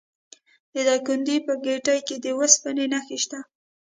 د دایکنډي په ګیتي کې د وسپنې نښې شته.